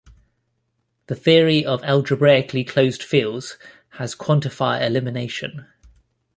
The theory of algebraically closed fields has quantifier elimination.